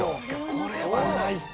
これはないか。